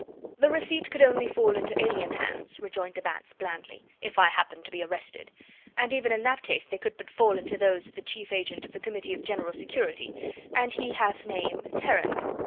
"The receipt could only fall into alien hands," rejoined de Batz blandly, "if I happened to be arrested, and even in that case they could but fall into those of the chief agent of the Committee of General Security, and he hath name Heron.